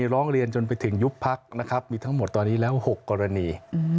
ร้องเรียนจนไปถึงยุบพรรคมีทั้งหมดทั้งหมด๖กรณี